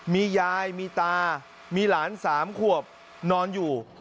มียายมีตามีหลาน๓ขวบนอนอยู่